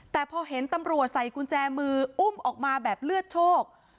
แต่พอเห็นตำรวจใส่กุญแจมืออุ้มออกมาแบบเลือดโชค